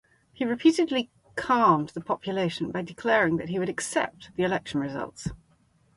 He repeatedly calmed the population by declaring that he would accept the election results.